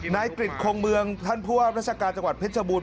นายกริจคงเมืองท่านผู้ว่าราชการจังหวัดเพชรบูร